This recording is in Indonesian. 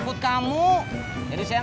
palang harus pergiaa